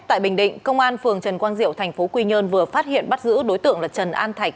tại bình định công an phường trần quang diệu tp quy nhơn vừa phát hiện bắt giữ đối tượng là trần an thạch